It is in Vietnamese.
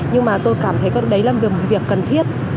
nhưng mà tôi cảm thấy đó là một việc cần thiết